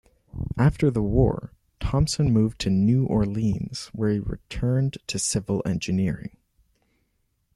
After the war, Thompson moved to New Orleans, where he returned to civil engineering.